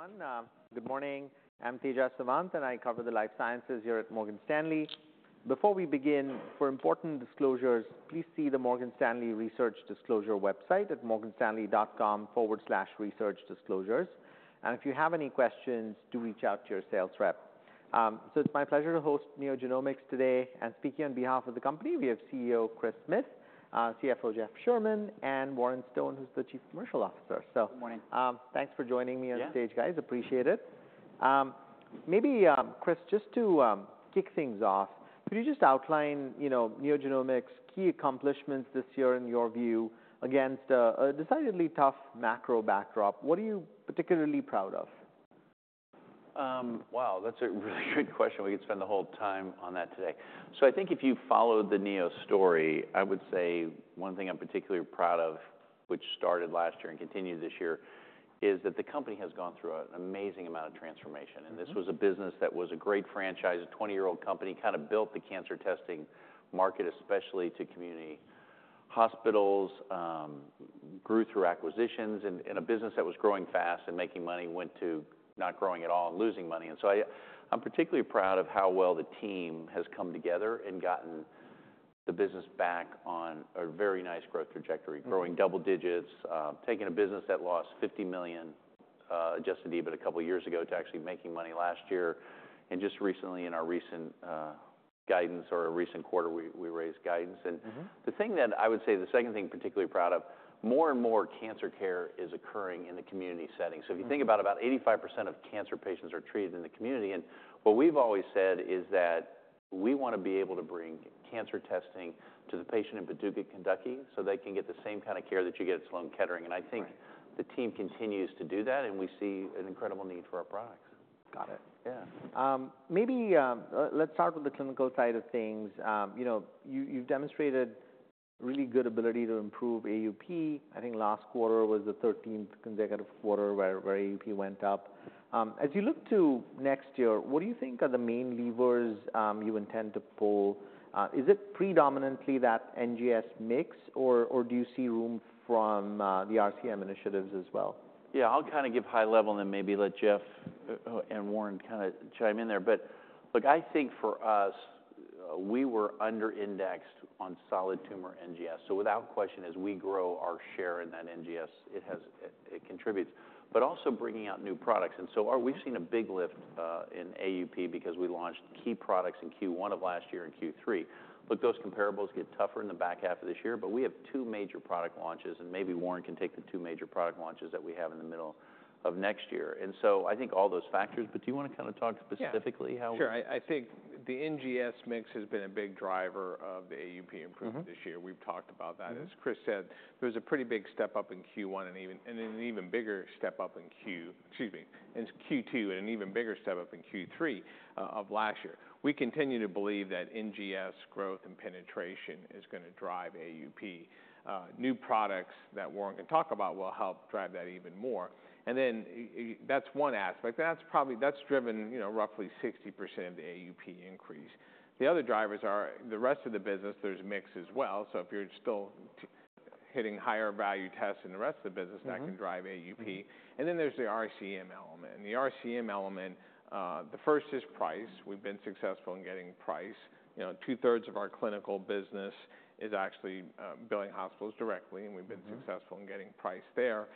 Hey, everyone. Good morning. I'm Tejas Savant, and I cover the life sciences here at Morgan Stanley. Before we begin, for important disclosures, please see the Morgan Stanley Research Disclosure website at morganstanley.com/research disclosures. And if you have any questions, do reach out to your sales rep. It's my pleasure to host NeoGenomics today, and speaking on behalf of the company, we have CEO Chris Smith, CFO Jeff Sherman, and Warren Stone, who's the Chief Commercial Officer. Good morning. Thanks for joining me on the stage, guys. Yeah. Appreciate it. Maybe, Chris, just to kick things off, could you just outline, you know, NeoGenomics key accomplishments this year in your view against a decidedly tough macro backdrop? What are you particularly proud of? Wow! That's a really good question. We could spend the whole time on that today. So I think if you followed the Neo story, I would say one thing I'm particularly proud of, which started last year and continued this year, is that the company has gone through an amazing amount of transformation. Mm-hmm. And this was a business that was a great franchise, a twenty-year-old company, kind of built the cancer testing market, especially to community hospitals, grew through acquisitions. And a business that was growing fast and making money, went to not growing at all and losing money. And so I'm particularly proud of how well the team has come together and gotten the business back on a very nice growth trajectory. Mm-hmm growing double digits, taking a business that lost $50 million adjusted EBITDA a couple of years ago to actually making money last year. And just recently, in our recent guidance or our recent quarter, we raised guidance. Mm-hmm. The thing that I would say, the second thing I'm particularly proud of, more and more cancer care is occurring in the community setting. Mm-hmm. So if you think about 85% of cancer patients are treated in the community, and what we've always said is that we want to be able to bring cancer testing to the patient in Paducah, Kentucky, so they can get the same kind of care that you get at Sloan Kettering. Right. I think the team continues to do that, and we see an incredible need for our products. Got it. Yeah. Maybe let's start with the clinical side of things. You know, you, you've demonstrated really good ability to improve AUP. I think last quarter was the thirteenth consecutive quarter where AUP went up. As you look to next year, what do you think are the main levers you intend to pull? Is it predominantly that NGS mix, or do you see room from the RCM initiatives as well? Yeah, I'll kind of give high level and then maybe let Jeff and Warren kind of chime in there. But look, I think for us, we were under indexed on solid tumor NGS. So without question, as we grow our share in that NGS, it contributes, but also bringing out new products. And so our we've seen a big lift in AUP because we launched key products in Q1 of last year and Q3, but those comparables get tougher in the back half of this year. But we have two major product launches, and maybe Warren can take the two major product launches that we have in the middle of next year. And so I think all those factors, but do you want to kind of talk specifically how- Yeah. Sure, I think the NGS mix has been a big driver of the AUP improvement- Mm-hmm... this year. We've talked about that. Mm-hmm. As Chris said, there was a pretty big step up in Q1 and even and an even bigger step up in Q2, and an even bigger step up in Q3 of last year. We continue to believe that NGS growth and penetration is going to drive AUP. New products that Warren can talk about will help drive that even more. And then, that's one aspect. That's probably That's driven, you know, roughly 60% of the AUP increase. The other drivers are, the rest of the business, there's mix as well. So if you're still hitting higher value tests in the rest of the business- Mm-hmm... that can drive AUP. Mm-hmm. And then there's the RCM element. The RCM element, the first is price. Mm-hmm. We've been successful in getting price. You know, two-thirds of our clinical business is actually billing hospitals directly- Mm-hmm... and we've been successful in getting price there.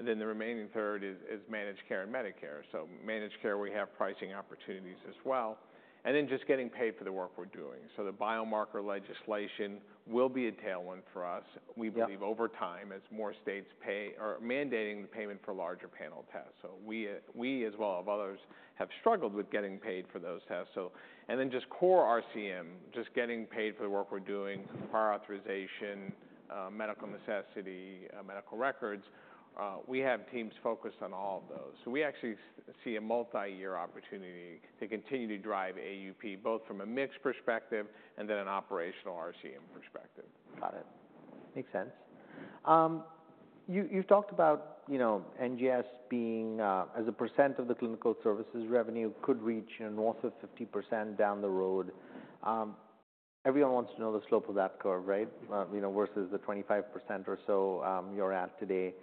Then the remaining third is managed care and Medicare. So managed care, we have pricing opportunities as well, and then just getting paid for the work we're doing. So the biomarker legislation will be a tailwind for us. Yeah. We believe over time, as more states pay or mandating the payment for larger panel tests. So we, we as well as others, have struggled with getting paid for those tests. So. And then just core RCM, just getting paid for the work we're doing, prior authorization, medical necessity, medical records, we have teams focused on all of those. So we actually see a multi-year opportunity to continue to drive AUP, both from a mix perspective and then an operational RCM perspective. Got it. Makes sense. You, you've talked about, you know, NGS being as a percent of the clinical services revenue, could reach north of 50% down the road. Everyone wants to know the slope of that curve, right? Mm-hmm. You know, versus the 25% or so you're at today.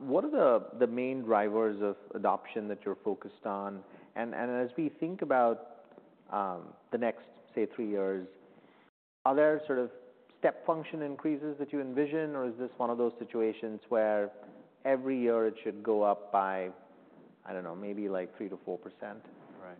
What are the main drivers of adoption that you're focused on? And as we think about the next, say, 3 years, are there sort of step function increases that you envision, or is this one of those situations where every year it should go up by, I don't know, maybe like 3% to 4%? Right.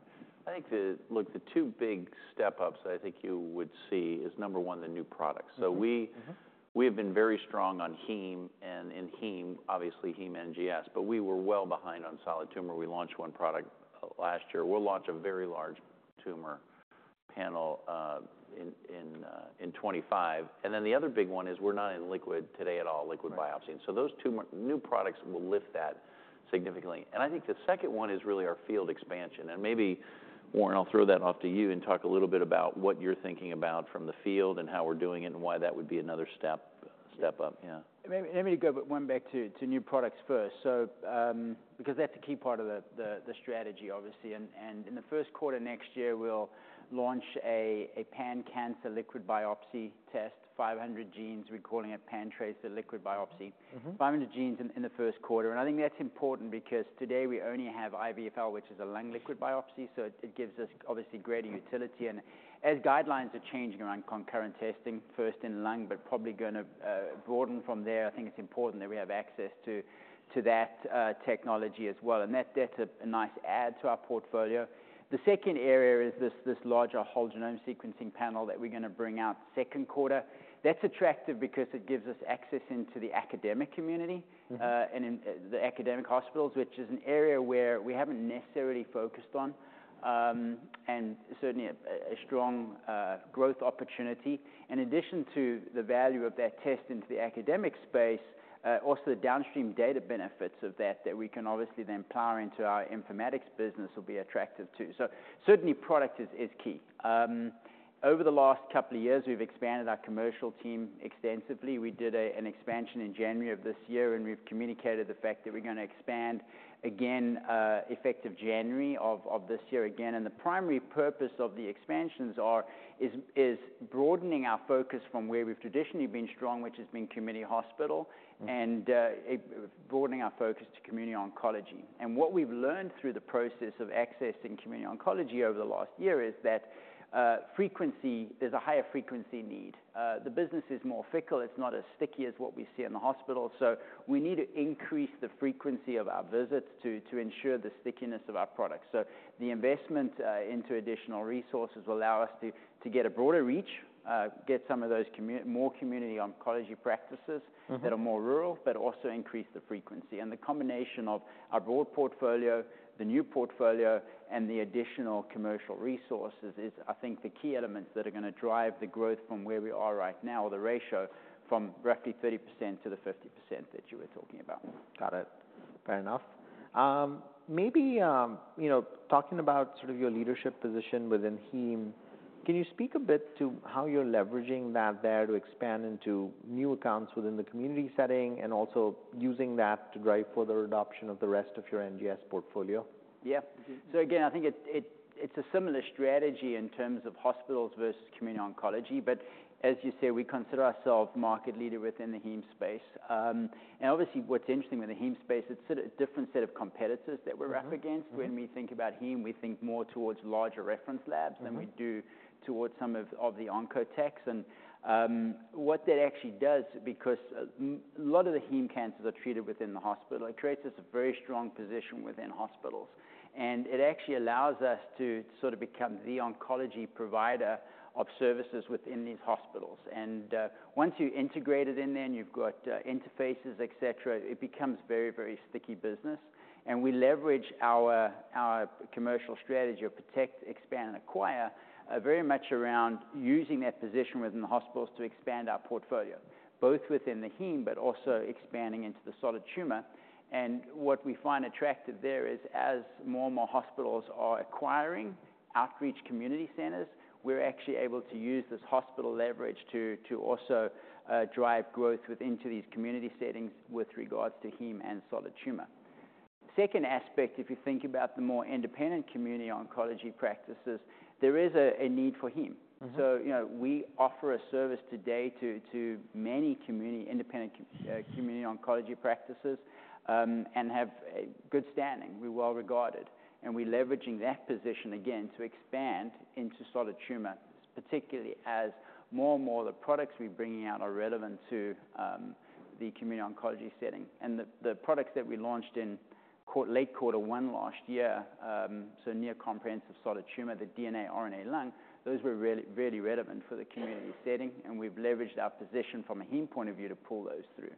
I think... Look, the two big step ups I think you would see is, number one, the new products. Mm-hmm. So we- Mm-hmm ... we have been very strong on heme, and in heme, obviously Heme NGS, but we were well behind on solid tumor. We launched one product last year. We'll launch a very large tumor panel in 2025. And then the other big one is we're not in liquid today at all- Right... liquid biopsy. And so those two new products will lift that significantly. And I think the second one is really our field expansion. And maybe, Warren, I'll throw that off to you and talk a little bit about what you're thinking about from the field and how we're doing it, and why that would be another step.... step up, yeah. Maybe go back to new products first. So, because that's a key part of the strategy, obviously, and in the first quarter next year, we'll launch a pan-cancer liquid biopsy test, 500 genes. We're calling it PanTrace, the liquid biopsy. Mm-hmm. Five hundred genes in the first quarter, and I think that's important because today we only have IVFL, which is a lung liquid biopsy, so it gives us obviously greater utility, and as guidelines are changing around concurrent testing, first in lung, but probably gonna broaden from there, I think it's important that we have access to that technology as well, and that's a nice add to our portfolio. The second area is this larger whole genome sequencing panel that we're gonna bring out second quarter. That's attractive because it gives us access into the academic community- Mm-hmm... and in the academic hospitals, which is an area where we haven't necessarily focused on, and certainly a strong growth opportunity. In addition to the value of that test into the academic space, also the downstream data benefits of that that we can obviously then plow into our informatics business will be attractive too. So certainly, product is key. Over the last couple of years, we've expanded our commercial team extensively. We did an expansion in January of this year, and we've communicated the fact that we're gonna expand again, effective January of this year again. And the primary purpose of the expansions is broadening our focus from where we've traditionally been strong, which has been community hospital- Mm-hmm ...and it, broadening our focus to community oncology. And what we've learned through the process of accessing community oncology over the last year is that, frequency, there's a higher frequency need. The business is more fickle, it's not as sticky as what we see in the hospital, so we need to increase the frequency of our visits to ensure the stickiness of our product. So the investment into additional resources will allow us to get a broader reach, get some of those commun- more community oncology practices- Mm-hmm... that are more rural, but also increase the frequency and the combination of our broad portfolio, the new portfolio, and the additional commercial resources is, I think, the key elements that are gonna drive the growth from where we are right now, or the ratio from roughly 30% to the 50% that you were talking about. Got it. Fair enough. Maybe, you know, talking about sort of your leadership position within Heme, can you speak a bit to how you're leveraging that there to expand into new accounts within the community setting, and also using that to drive further adoption of the rest of your NGS portfolio? Yeah. So again, I think it's a similar strategy in terms of hospitals versus community oncology, but as you say, we consider ourselves market leader within the Heme space, and obviously, what's interesting with the Heme space, it's sort of a different set of competitors that we're up against. Mm-hmm. When we think about Heme, we think more towards larger reference labs- Mm-hmm... than we do towards some of the onco-techs. What that actually does, because a lot of the Heme Cancers are treated within the hospital, it creates this very strong position within hospitals. It actually allows us to sort of become the oncology provider of services within these hospitals. Once you integrate it in there, and you've got interfaces, et cetera, it becomes very, very sticky business. We leverage our commercial strategy of protect, expand, and acquire very much around using that position within the hospitals to expand our portfolio, both within the Heme, but also expanding into the solid tumor. What we find attractive there is, as more and more hospitals are acquiring outreach community centers, we're actually able to use this hospital leverage to also drive growth within these community settings with regards to Heme and solid tumor. Second aspect, if you think about the more independent community oncology practices, there is a need for Heme. Mm-hmm. You know, we offer a service today to many community, independent community oncology practices and have a good standing. We're well regarded, and we're leveraging that position again to expand into solid tumor, particularly as more and more of the products we're bringing out are relevant to the community oncology setting. The products that we launched in late Q1 last year, near comprehensive solid tumor, the DNA, RNA lung, those were really, really relevant for the community setting, and we've leveraged our position from a Heme point of view to pull those through.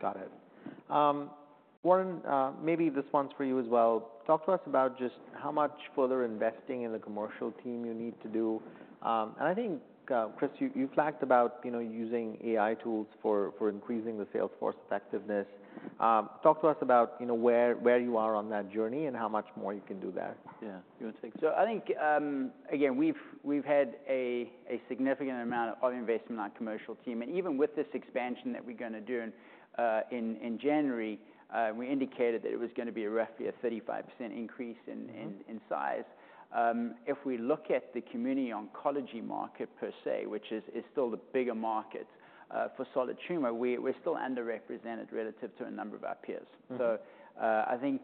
Got it. Warren, maybe this one's for you as well. Talk to us about just how much further investing in the commercial team you need to do, and I think, Chris, you flagged about, you know, using AI tools for increasing the sales force effectiveness. Talk to us about, you know, where you are on that journey, and how much more you can do there. Yeah. You wanna take it? So I think, again, we've had a significant amount of investment in our commercial team, and even with this expansion that we're gonna do in January, we indicated that it was gonna be roughly a 35% increase in- Mm-hmm... in size. If we look at the community oncology market per se, which is still the bigger market for solid tumor, we're still underrepresented relative to a number of our peers. Mm-hmm. I think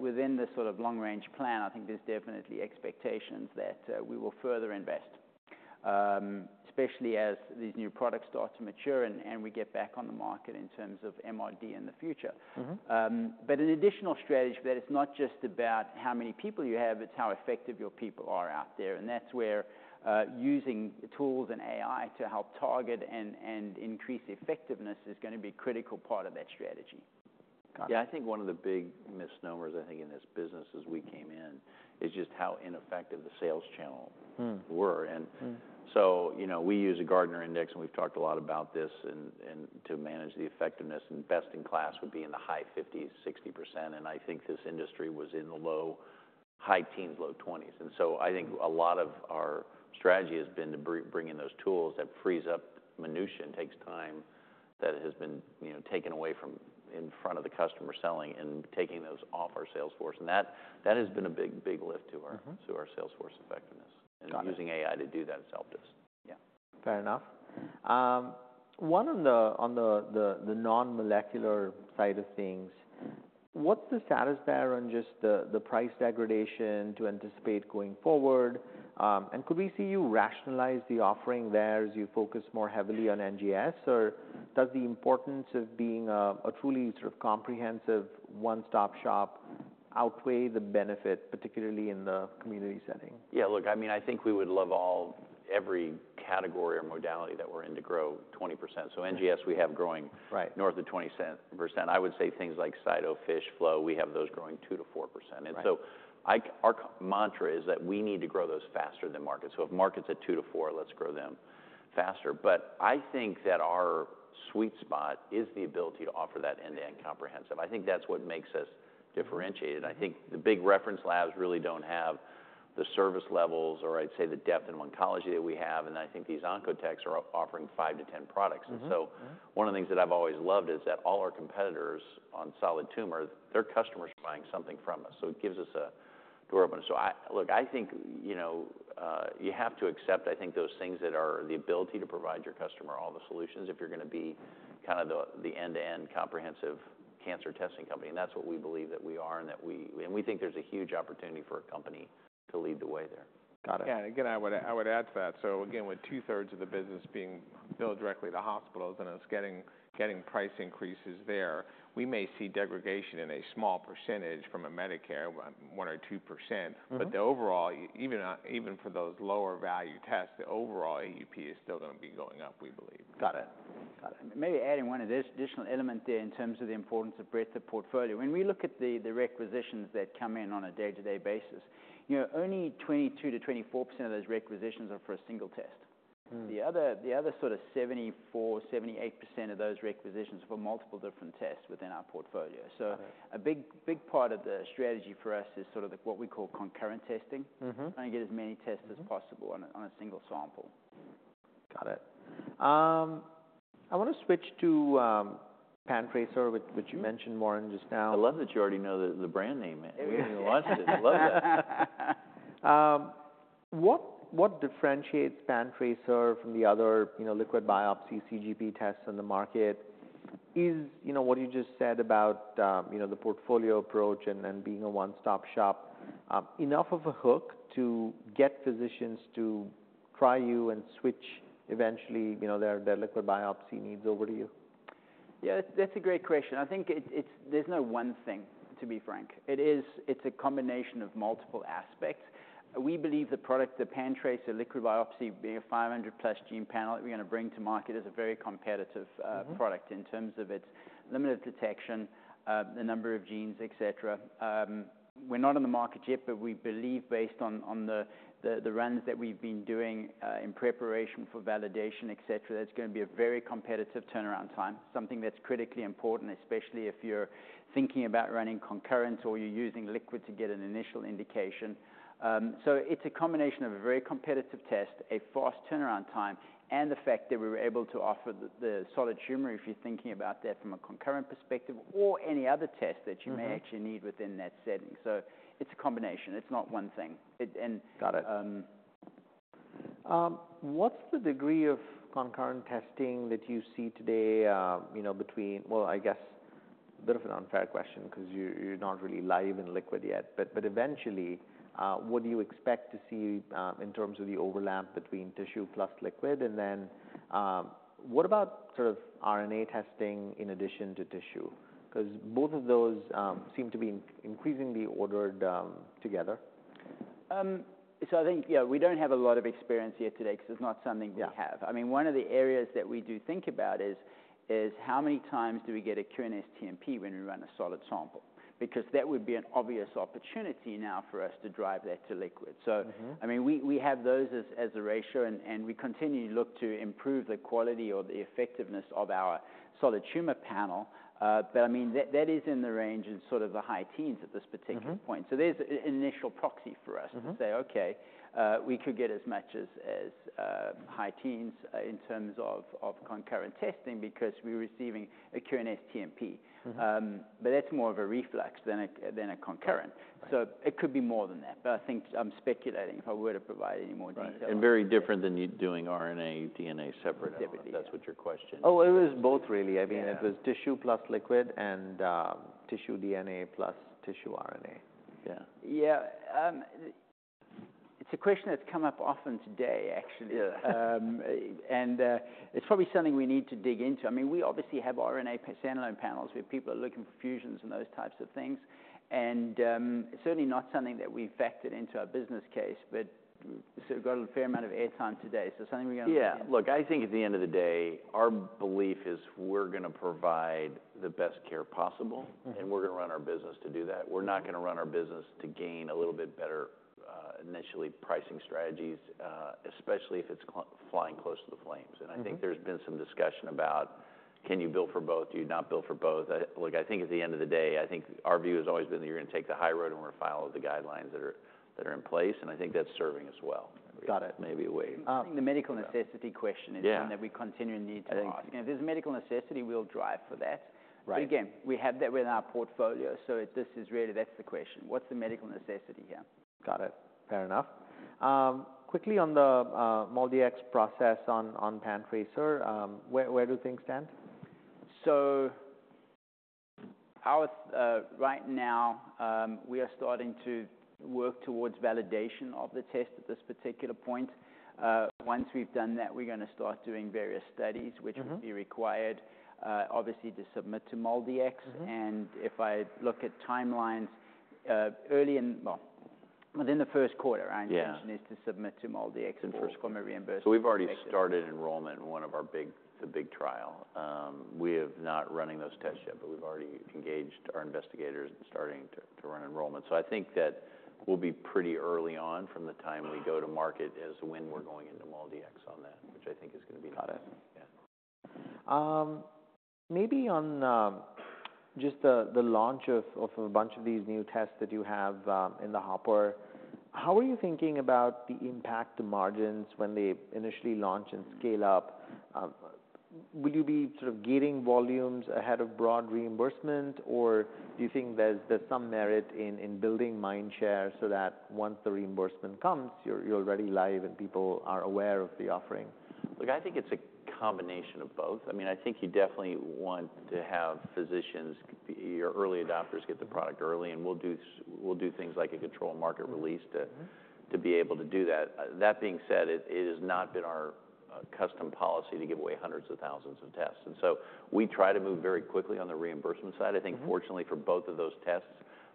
within this sort of long-range plan, I think there's definitely expectations that we will further invest, especially as these new products start to mature and we get back on the market in terms of MRD in the future. Mm-hmm. but an additional strategy that it's not just about how many people you have, it's how effective your people are out there, and that's where using tools and AI to help target and increase effectiveness is gonna be a critical part of that strategy. Got it. Yeah, I think one of the big misnomers, I think, in this business as we came in, is just how ineffective the sales channel- Mm... were. Mm-hmm. You know, we use a Gartner index, and we've talked a lot about this, and to manage the effectiveness. Best in class would be in the high 50s, 60%, and I think this industry was in the low teens, high teens, low 20s. A lot of our strategy has been to bring in those tools that frees up minutia and takes time that has been, you know, taken away from in front of the customer selling and taking those off our sales force. That has been a big, big lift to our- Mm-hmm to our sales force effectiveness. Got it. Using AI to do that has helped us. Yeah. Fair enough. One on the non-molecular side of things, what's the status there on just the price degradation to anticipate going forward? And could we see you rationalize the offering there as you focus more heavily on NGS, or does the importance of being a truly sort of comprehensive one-stop shop outweigh the benefit, particularly in the community setting? Yeah, look, I mean, I think we would love every category or modality that we're in to grow 20% Mm-hmm. So NGS, we have growing Right North of 20%. I would say things like Cyto, FISH, Flow, we have those growing 2%-4%.. Right. And so our mantra is that we need to grow those faster than markets. So if market's at two to four, let's grow them faster. But I think that our sweet spot is the ability to offer that end-to-end comprehensive. I think that's what makes us differentiated. I think the big reference labs really don't have the service levels, or I'd say the depth in oncology, that we have, and I think these onco-techs are offering five to 10 products. Mm-hmm, mm-hmm. And so one of the things that I've always loved is that all our competitors on solid tumor, their customers are buying something from us, so it gives us a door open. So, look, I think, you know, you have to accept, I think, those things that are the ability to provide your customer all the solutions, if you're gonna be kind of the end-to-end comprehensive cancer testing company. And that's what we believe that we are, and we think there's a huge opportunity for a company to lead the way there. Got it. Yeah, again, I would add to that. So again, with two-thirds of the business being billed directly to hospitals and us getting price increases there, we may see degradation in a small percentage from a Medicare, 1% or 2%. Mm-hmm. But the overall, even for those lower value tests, the overall AUP is still gonna be going up, we believe. Got it. Got it. Maybe adding one of this additional element there in terms of the importance of breadth of portfolio. When we look at the requisitions that come in on a day-to-day basis, you know, only 22%-24% of those requisitions are for a single test. Mm. The other sort of 74%-78% of those requisitions are for multiple different tests within our portfolio. Got it. A big, big part of the strategy for us is sort of the, what we call Concurrent Testing. Mm-hmm. Trying to get as many tests- Mm-hmm as possible on a single sample. Got it. I want to switch to PanTrace, which- Mm-hmm which you mentioned, Warren, just now. I love that you already know the brand name. Yeah. We haven't even launched it. Love that! What differentiates PanTrace from the other, you know, liquid biopsy CGP tests on the market? Is, you know, what you just said about, you know, the portfolio approach and being a one-stop shop, enough of a hook to get physicians to try you and switch eventually, you know, their liquid biopsy needs over to you? Yeah, that's a great question. I think it, it's, there's no one thing, to be frank. It is, it's a combination of multiple aspects. We believe the product, the PanTrace liquid biopsy, being a 500-plus gene panel that we're gonna bring to market, is a very competitive. Mm-hmm... product in terms of its limited detection, the number of genes, et cetera. We're not on the market yet, but we believe, based on the runs that we've been doing, in preparation for validation, et cetera, it's gonna be a very competitive turnaround time. Something that's critically important, especially if you're thinking about running concurrent or you're using liquid to get an initial indication. So it's a combination of a very competitive test, a fast turnaround time, and the fact that we were able to offer the solid tumor, if you're thinking about that from a concurrent perspective, or any other test that you may- Mm-hmm... actually need within that setting. So it's a combination. It's not one thing. Got it... um. What's the degree of concurrent testing that you see today, you know, between... Well, I guess a bit of an unfair question because you're, you're not really live in liquid yet, but, but eventually, what do you expect to see, in terms of the overlap between tissue plus liquid? And then, what about sort of RNA testing in addition to tissue? 'Cause both of those seem to be increasingly ordered together. So, I think, yeah, we don't have a lot of experience yet today because it's not something we have. Yeah. I mean, one of the areas that we do think about is, is how many times do we get a QNS TMP when we run a solid sample? Because that would be an obvious opportunity now for us to drive that to liquid. Mm-hmm. I mean, we have those as a ratio, and we continue to look to improve the quality or the effectiveness of our solid tumor panel. But I mean, that is in the range of sort of the high teens at this particular point. Mm-hmm. So there's initial proxy for us. Mm-hmm... to say, "Okay, we could get as much as high teens in terms of concurrent testing, because we're receiving a QNS TNP. Mm-hmm. But that's more of a reflex than a concurrent. Right. So it could be more than that, but I think I'm speculating if I were to provide any more detail. Right. And very different than you doing RNA, DNA separate- Definitely, yeah. If that's what your question is. Oh, it was both, really. Yeah. I mean, it was tissue plus liquid, and, tissue DNA plus tissue RNA. Yeah. Yeah. It's a question that's come up often today, actually. Yeah. It's probably something we need to dig into. I mean, we obviously have RNA plus standalone panels, where people are looking for fusions and those types of things. And, certainly not something that we've factored into our business case, but so we've got a fair amount of air time today, so something we're gonna look at. Yeah. Look, I think at the end of the day, our belief is we're gonna provide the best care possible- Mm-hmm... and we're gonna run our business to do that. We're not gonna run our business to gain a little bit better initial pricing strategies, especially if it's flying close to the flames. Mm-hmm. I think there's been some discussion about, can you bill for both? Do you not bill for both? Look, I think at the end of the day, I think our view has always been that you're gonna take the high road, and we're gonna follow the guidelines that are, that are in place, and I think that's serving us well. Got it. Maybe a way, The medical necessity question- Yeah is one that we continue to need to ask. I think- If there's a medical necessity, we'll drive for that. Right. But again, we have that within our portfolio, so this is really, that's the question: What's the medical necessity here? Got it. Fair enough. Quickly on the MolDX process on PanTrace, where do things stand? So, right now, we are starting to work towards validation of the test at this particular point. Once we've done that, we're gonna start doing various studies- Mm-hmm... which will be required, obviously, to submit to MolDX. Mm-hmm. If I look at timelines within the first quarter- Yeah Our intention is to submit to MolDX in the first quarter reimbursement. So we've already started enrollment in one of our big, the big trial. We have not running those tests yet, but we've already engaged our investigators in starting to run enrollment. So I think that we'll be pretty early on from the time we go to market as to when we're going into MolDX on that, which I think is gonna be- Got it. Yeah. Maybe on just the launch of a bunch of these new tests that you have in the hopper, how are you thinking about the impact to margins when they initially launch and scale up? Will you be sort of gating volumes ahead of broad reimbursement, or do you think there's some merit in building mind share so that once the reimbursement comes, you're already live and people are aware of the offering? Look, I think it's a combination of both. I mean, I think you definitely want to have physicians, your early adopters, get the product early, and we'll do things like a controlled market release to- Mm-hmm... to be able to do that. That being said, it has not been our custom policy to give away hundreds of thousands of tests, and so we try to move very quickly on the reimbursement side. Mm-hmm. I think fortunately for both of those tests,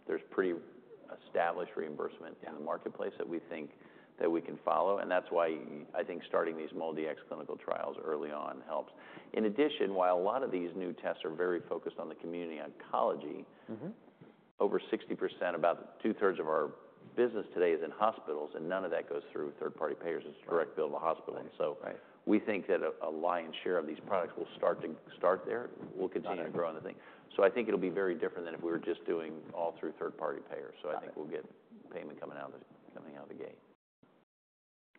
there's pretty established reimbursement. Yeah In the marketplace that we think that we can follow, and that's why I think starting these MolDX clinical trials early on helps. In addition, while a lot of these new tests are very focused on the community oncology- Mm-hmm... over 60%, about two-thirds of our business today is in hospitals, and none of that goes through third-party payers. Sure. It's direct bill to the hospital. Right. So we think that a lion's share of these products will start there. Got it. We'll continue to grow other things, so I think it'll be very different than if we were just doing all through third-party payers. Got it. So I think we'll get payment coming out of the gate.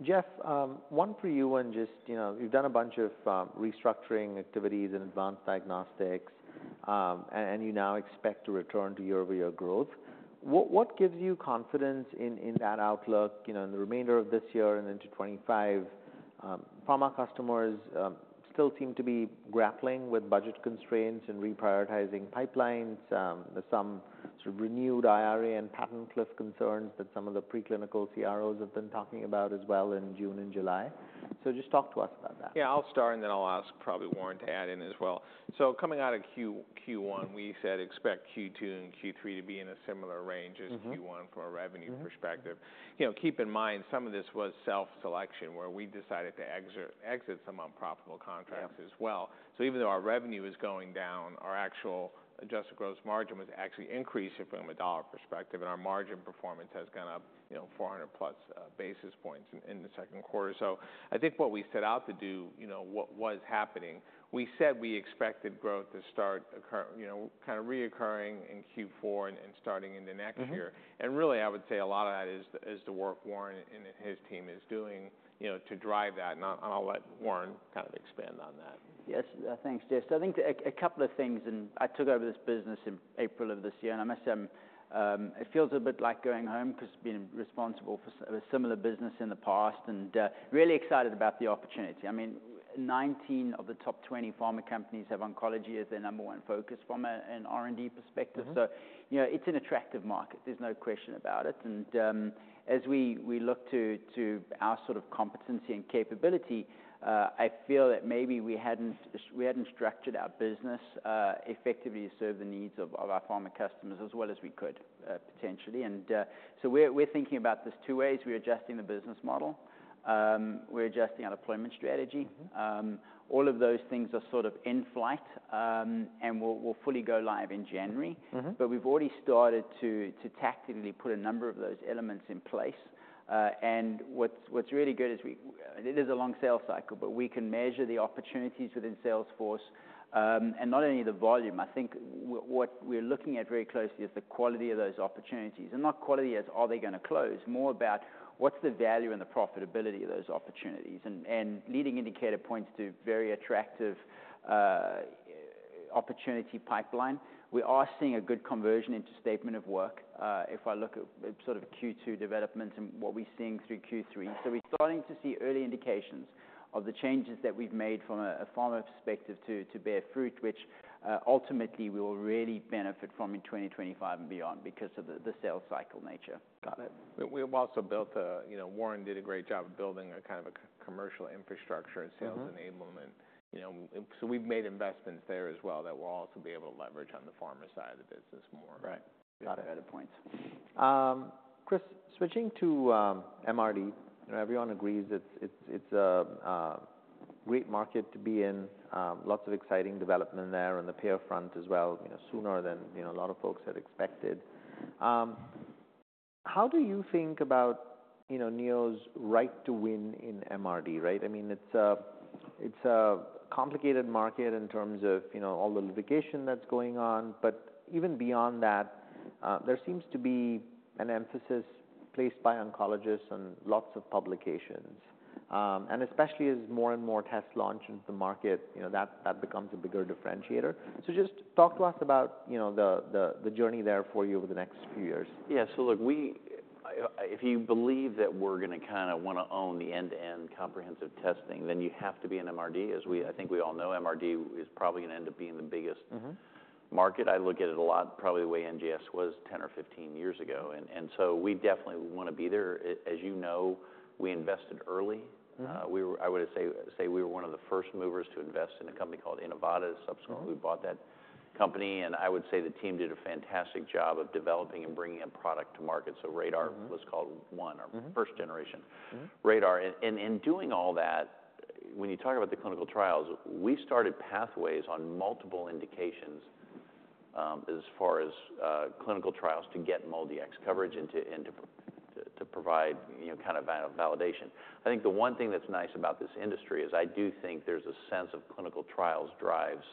Jeff, one for you, and just, you know, you've done a bunch of restructuring activities in advanced diagnostics, and you now expect to return to year-over-year growth. What gives you confidence in that outlook, you know, in the remainder of this year and into twenty-five? Pharma customers still seem to be grappling with budget constraints and reprioritizing pipelines. There's some sort of renewed IRA and patent cliff concerns that some of the preclinical CROs have been talking about as well in June and July. So just talk to us about that. Yeah, I'll start, and then I'll ask probably Warren to add in as well. So coming out of Q1, we said expect Q2 and Q3 to be in a similar range as Q1- Mm-hmm... for a revenue perspective. Mm-hmm. You know, keep in mind, some of this was self-selection, where we decided to exit some unprofitable contracts as well. Yeah. So even though our revenue is going down, our actual adjusted gross margin was actually increasing from a dollar perspective, and our margin performance has gone up, you know, 400-plus basis points in the second quarter. So I think what we set out to do, you know, what was happening, we said we expected growth to start occurring, you know, kind of recurring in Q4 and starting in the next year. Mm-hmm. Really, I would say a lot of that is the work Warren and his team is doing, you know, to drive that, and I'll let Warren kind of expand on that. Yes. Thanks, Jeff. So I think a couple of things, and I took over this business in April of this year, and I must say, it feels a bit like going home because I've been responsible for a similar business in the past, and really excited about the opportunity. I mean, 19 of the top 20 pharma companies have oncology as their number one focus from an R&D perspective. Mm-hmm. So, you know, it's an attractive market. There's no question about it. And as we look to our sort of competency and capability, I feel that maybe we hadn't structured our business effectively to serve the needs of our pharma customers as well as we could potentially. And so we're thinking about this two ways. We're adjusting the business model. We're adjusting our deployment strategy. Mm-hmm. All of those things are sort of in flight, and will fully go live in January. Mm-hmm. But we've already started to tactically put a number of those elements in place. And what's really good is we. It is a long sales cycle, but we can measure the opportunities within Salesforce, and not only the volume. I think what we're looking at very closely is the quality of those opportunities, and not quality as are they gonna close, more about what's the value and the profitability of those opportunities. And leading indicator points to very attractive opportunity pipeline. We are seeing a good conversion into statement of work, if I look at sort of Q2 developments and what we're seeing through Q3. So we're starting to see early indications of the changes that we've made from a pharma perspective to bear fruit, which ultimately we will really benefit from in 2025 and beyond because of the sales cycle nature. Got it. We have also built a... You know, Warren did a great job of building a kind of a commercial infrastructure- Mm-hmm... and sales enablement. You know, so we've made investments there as well that we'll also be able to leverage on the pharma side of the business more. Right. Got it. lot of added points. Chris, switching to MRD, everyone agrees that it's a great market to be in, lots of exciting development there on the payer front as well, you know, sooner than, you know, a lot of folks had expected. How do you think about, you know, Neo's right to win in MRD, right? I mean, it's a complicated market in terms of, you know, all the litigation that's going on, but even beyond that, there seems to be an emphasis placed by oncologists on lots of publications. And especially as more and more tests launch into the market, you know, that becomes a bigger differentiator. So just talk to us about, you know, the journey there for you over the next few years. Yeah. So look, if you believe that we're going to kind of want to own the end-to-end comprehensive testing, then you have to be in MRD. As I think we all know MRD is probably going to end up being the biggest- Mm-hmm -market. I look at it a lot, probably the way NGS was ten or fifteen years ago, and so we definitely want to be there. As you know, we invested early. Mm-hmm. I would say we were one of the first movers to invest in a company called Inivata. Mm-hmm. Subsequently, we bought that company, and I would say the team did a fantastic job of developing and bringing a product to market. So RaDaR- Mm-hmm was called one Mm-hmm -or first generation- Mm-hmm RaDaR. And in doing all that, when you talk about the clinical trials, we started pathways on multiple indications, as far as clinical trials to get MolDX coverage. Mm-hmm and to provide, you know, kind of, a validation. I think the one thing that's nice about this industry is I do think there's a sense of clinical trials drives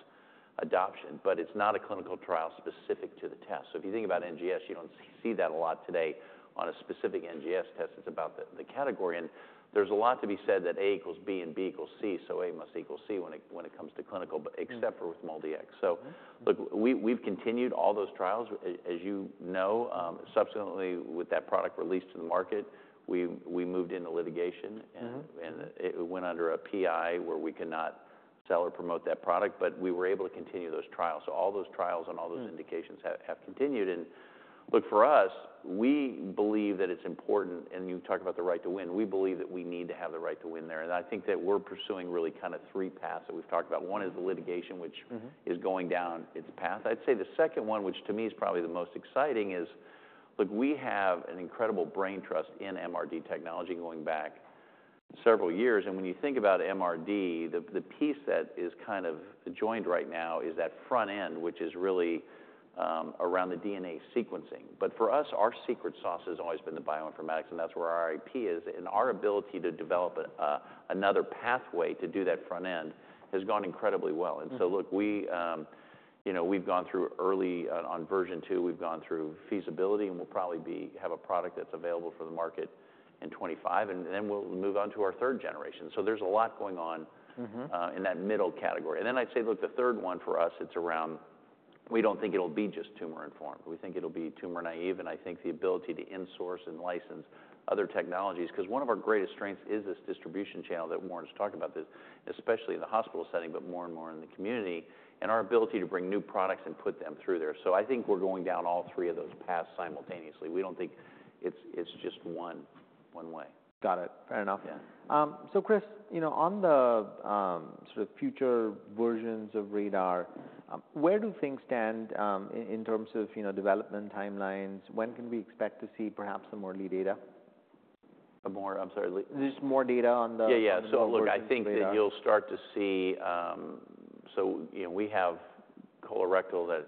adoption, but it's not a clinical trial specific to the test. So if you think about NGS, you don't see that a lot today on a specific NGS test. It's about the category, and there's a lot to be said that A equals B and B equals C, so A must equal C when it comes to clinical- Mm-hmm but except for with MolDX. Mm-hmm. So look, we've continued all those trials, as you know. Subsequently, with that product released to the market, we moved into litigation- Mm-hmm and it went under a PI, where we cannot sell or promote that product, but we were able to continue those trials. So all those trials and all those- Mm-hmm Indications have continued, and look, for us, we believe that it's important, and you talk about the right to win, we believe that we need to have the right to win there, and I think that we're pursuing really kind of three paths that we've talked about. One is the litigation, which- Mm-hmm -is going down its path. I'd say the second one, which to me is probably the most exciting, is. Look, we have an incredible brain trust in MRD technology going back several years, and when you think about MRD, the piece that is kind of adjoined right now is that front end, which is really around the DNA sequencing. But for us, our secret sauce has always been the bioinformatics, and that's where our IP is, and our ability to develop a another pathway to do that front end has gone incredibly well. Mm-hmm. And so look, we, you know, we've gone through early on version two, we've gone through feasibility, and we'll probably have a product that's available for the market in 2025, and then we'll move on to our third generation. So there's a lot going on- Mm-hmm in that middle category. And then I'd say, look, the third one for us, it's around... We don't think it'll be just tumor-informed. We think it'll be tumor-naïve, and I think the ability to insource and license other technologies, 'cause one of our greatest strengths is this distribution channel that Warren has talked about, this, especially in the hospital setting, but more and more in the community, and our ability to bring new products and put them through there. So I think we're going down all three of those paths simultaneously. We don't think it's just one way. Got it. Fair enough. Yeah. So Chris, you know, on the sort of future versions of RaDaR, where do things stand in terms of, you know, development timelines? When can we expect to see perhaps some more lead data? More... I'm sorry, Just more data on the- Yeah, yeah new versions of RaDaR. So look, I think that you'll start to see. So, you know, we have colorectal that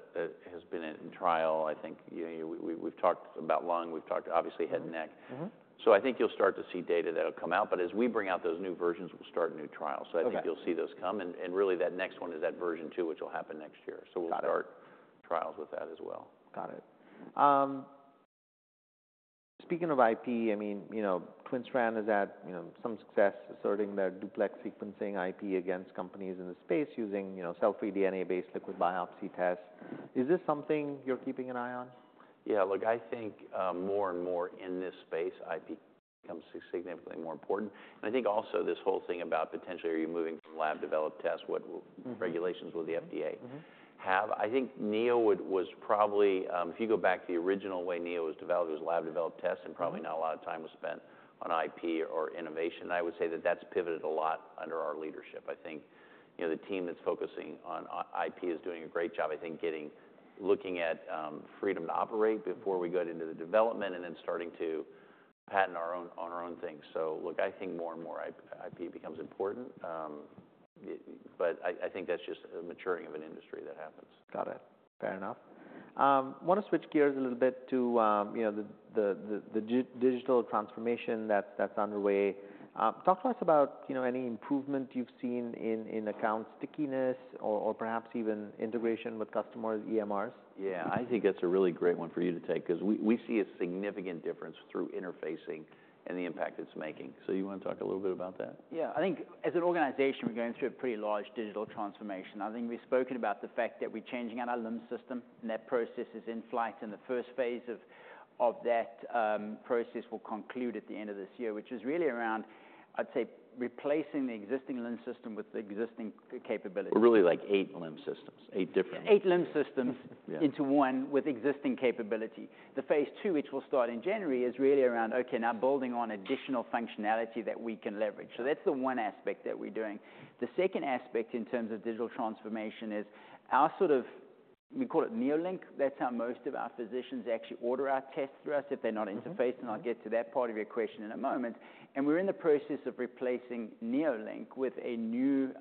has been in trial. I think, you know, we've talked about lung. We've talked obviously head and neck. Mm-hmm. Mm-hmm. I think you'll start to see data that'll come out, but as we bring out those new versions, we'll start new trials. Okay. So I think you'll see those come, and, and really, that next one is that version two, which will happen next year. Got it. So we'll start trials with that as well. Got it. Speaking of IP, I mean, you know, TwinStrand has had, you know, some success asserting their duplex sequencing IP against companies in the space using, you know, cell-free DNA-based liquid biopsy tests. Is this something you're keeping an eye on? Yeah, look, I think, more and more in this space, IP becomes significantly more important. And I think also this whole thing about potentially, are you moving from lab-developed tests? What- Mm-hmm regulations will the FDA Mm-hmm have? I think Neo was probably, if you go back to the original way Neo was developed, it was lab-developed tests. Mm-hmm And probably not a lot of time was spent on IP or innovation. I would say that that's pivoted a lot under our leadership. I think, you know, the team that's focusing on IP is doing a great job, I think, getting looking at freedom to operate before we get into the development and then starting to patent our own things. So, look, I think more and more IP becomes important. But I think that's just a maturing of an industry that happens. Got it. Fair enough. Want to switch gears a little bit to, you know, the digital transformation that's underway. Talk to us about, you know, any improvement you've seen in account stickiness or perhaps even integration with customer EMRs? Yeah, I think that's a really great one for you to take 'cause we see a significant difference through interfacing and the impact it's making. So you want to talk a little bit about that? Yeah. I think as an organization, we're going through a pretty large digital transformation. I think we've spoken about the fact that we're changing out our LIMS system, and that process is in flight, and the first phase of that process will conclude at the end of this year, which is really around, I'd say, replacing the existing LIMS system with the existing capability. Really like eight LIMS systems, eight different- Eight LIMS systems- Yeah ...into one with existing capability. The phase two, which will start in January, is really around, okay, now building on additional functionality that we can leverage. So that's the one aspect that we're doing. The second aspect in terms of digital transformation is our sort of we call it NeoLink. That's how most of our physicians actually order our tests through us if they're not interfacing. Mm-hmm. I'll get to that part of your question in a moment. We're in the process of replacing NeoLink with a new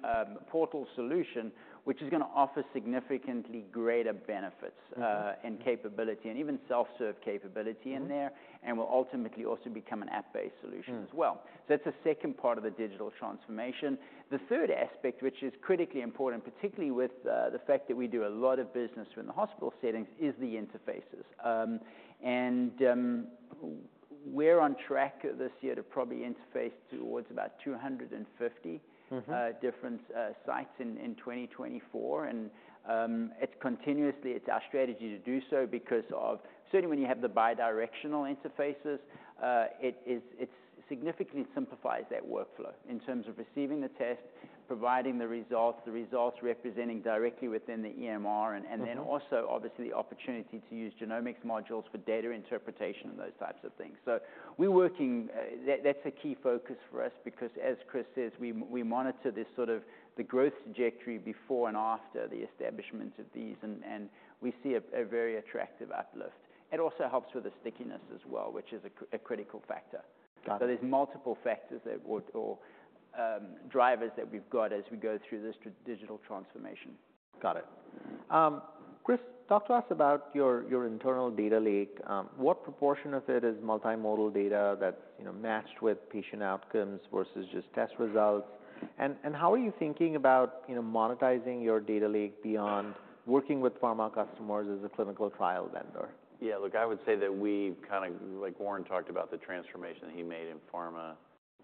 portal solution, which is gonna offer significantly greater benefits- Mm-hmm... and capability and even self-serve capability in there. Mm-hmm. Will ultimately also become an app-based solution as well. Mm. So that's the second part of the digital transformation. The third aspect, which is critically important, particularly with the fact that we do a lot of business in the hospital settings, is the interfaces. And we're on track this year to probably interface towards about 250- Mm-hmm... different sites in twenty twenty four, and it's continuously our strategy to do so because of, certainly when you have the bi-directional interfaces, it significantly simplifies that workflow in terms of receiving the test, providing the results, the results representing directly within the EMR. Mm-hmm. And then also, obviously, the opportunity to use genomics modules for data interpretation and those types of things. So we're working. That's a key focus for us because, as Chris says, we monitor this sort of the growth trajectory before and after the establishment of these, and we see a very attractive uplift. It also helps with the stickiness as well, which is a critical factor. Got it. There's multiple factors that would... or drivers that we've got as we go through this digital transformation. Got it. Chris, talk to us about your, your internal data lake. What proportion of it is multimodal data that's, you know, matched with patient outcomes versus just test results? And, and how are you thinking about, you know, monetizing your data lake beyond working with pharma customers as a clinical trial vendor? Yeah, look, I would say that we've kinda, like Warren talked about the transformation that he made in pharma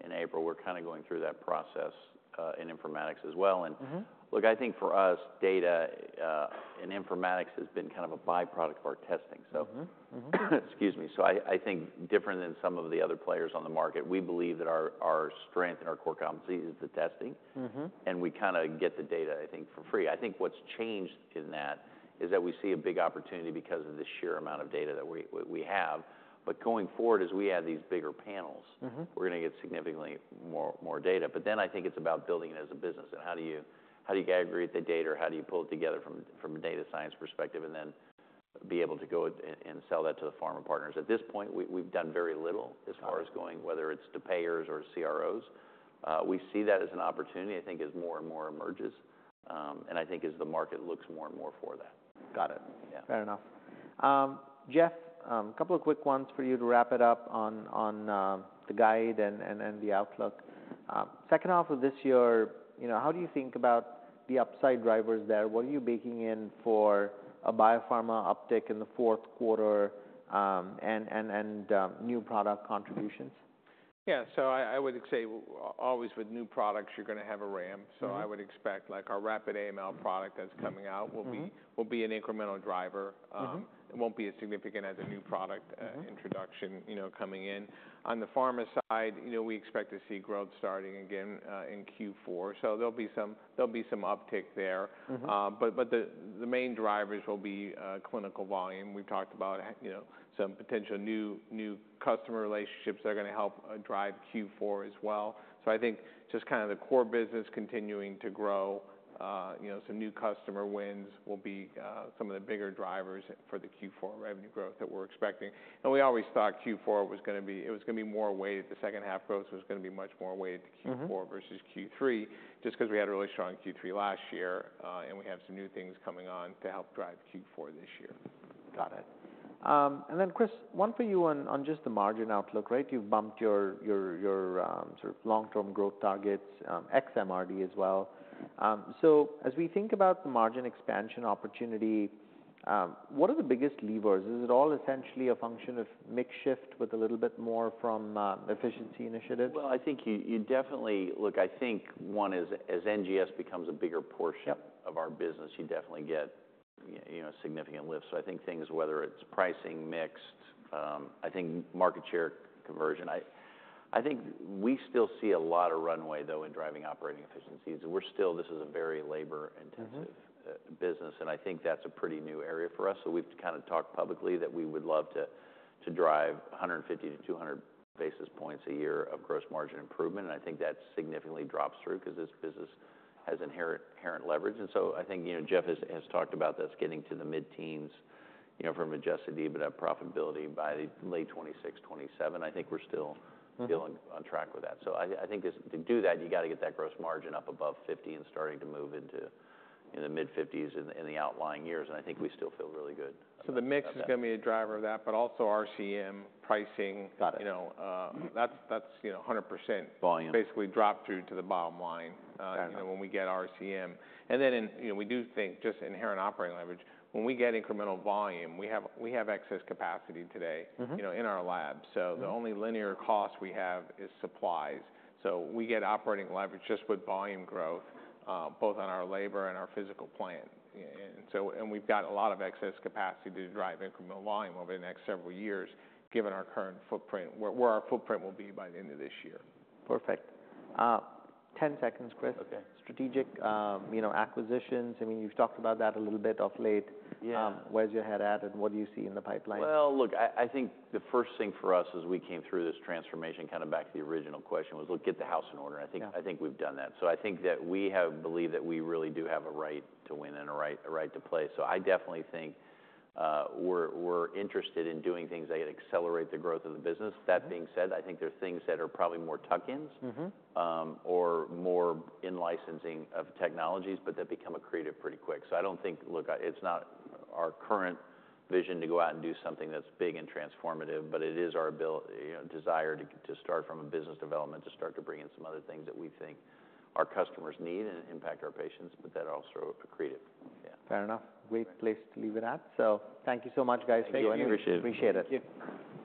in April, we're kinda going through that process in informatics as well, and- Mm-hmm... look, I think for us, data, and informatics has been kind of a by-product of our testing. So- Mm-hmm. Mm-hmm. Excuse me. So I think different than some of the other players on the market, we believe that our strength and our core competency is the testing. Mm-hmm. We kinda get the data, I think, for free. I think what's changed in that is that we see a big opportunity because of the sheer amount of data that we have. Going forward, as we add these bigger panels. Mm-hmm... we're gonna get significantly more data. But then I think it's about building it as a business, and how do you aggregate the data, or how do you pull it together from a data science perspective, and then be able to go and sell that to the pharma partners? At this point, we've done very little- Got it... as far as going, whether it's to payers or CROs. We see that as an opportunity, I think, as more and more emerges, and I think as the market looks more and more for that. Got it. Yeah. Fair enough. Jeff, a couple of quick ones for you to wrap it up on the guide and the outlook. Second half of this year, you know, how do you think about the upside drivers there? What are you baking in for a biopharma uptick in the fourth quarter, and new product contributions? Yeah, so I would say always with new products, you're gonna have a ramp. Mm-hmm. So I would expect, like our Rapid AML product that's coming out- Mm-hmm... will be an incremental driver. Mm-hmm. It won't be as significant as a new product. Mm-hmm... introduction, you know, coming in. On the pharma side, you know, we expect to see growth starting again in Q4. So there'll be some uptick there. Mm-hmm. But the main drivers will be clinical volume. We've talked about, you know, some potential new customer relationships that are gonna help drive Q4 as well. So I think just kind of the core business continuing to grow, you know, some new customer wins will be some of the bigger drivers for the Q4 revenue growth that we're expecting. And we always thought Q4 was gonna be... It was gonna be more weighted. The second half growth was gonna be much more weighted to Q4. Mm-hmm... versus Q3, just 'cause we had a really strong Q3 last year, and we have some new things coming on to help drive Q4 this year. Got it. And then Chris, one for you on just the margin outlook, right? You've bumped your sort of long-term growth targets, ex MRD as well, so as we think about the margin expansion opportunity, what are the biggest levers? Is it all essentially a function of mix shift with a little bit more from efficiency initiatives? I think you definitely. Look, I think one is, as NGS becomes a bigger portion- Yep... of our business, you definitely get, you know, a significant lift. So I think things, whether it's pricing, mix, I think market share conversion. I think we still see a lot of runway, though, in driving operating efficiencies. We're still this is a very labor-intensive- Mm-hmm... business, and I think that's a pretty new area for us. So we've kind of talked publicly that we would love to drive one hundred and fifty to two hundred basis points a year of gross margin improvement, and I think that significantly drops through 'cause this business has inherent leverage. And so I think, you know, Jeff has talked about us getting to the mid-teens, you know, for Adjusted EBITDA profitability by late 2026, 2027. I think we're still- Mm-hmm... feeling on track with that so I think just to do that, you gotta get that gross margin up above 50 and starting to move into the mid-50s in the outlying years, and I think we still feel really good about that. So the mix is gonna be a driver of that, but also RCM pricing. Got it. You know, Mm-hmm... that's, you know, 100%- Volume... basically, drop through to the bottom line. Got it... you know, when we get RCM. And then, you know, we do think, just inherent operating leverage, when we get incremental volume, we have excess capacity today- Mm-hmm... you know, in our labs. Mm-hmm. The only linear cost we have is supplies. We get operating leverage just with volume growth, both on our labor and our physical plant. We've got a lot of excess capacity to drive incremental volume over the next several years, given our current footprint, where our footprint will be by the end of this year. Perfect. Ten seconds, Chris. Okay. Strategic, you know, acquisitions, I mean, you've talked about that a little bit of late. Yeah. Where's your head at, and what do you see in the pipeline? Look, I think the first thing for us as we came through this transformation, kinda back to the original question, was, look, get the house in order. Yeah. I think we've done that. So I think that we believe that we really do have a right to win and a right to play. So I definitely think we're interested in doing things that accelerate the growth of the business. Mm-hmm. That being said, I think there are things that are probably more tuck-ins- Mm-hmm... or more in licensing of technologies, but that become accretive pretty quick. So I don't think... Look, it's not our current vision to go out and do something that's big and transformative, but it is our you know, desire to, to start from a business development, to start to bring in some other things that we think our customers need and impact our patients, but that are also accretive. Yeah. Fair enough. Right. Great place to leave it at. So thank you so much, guys, for joining us. Thank you, Tejas Thank you. Appreciate it. Thank you. Oh, we get-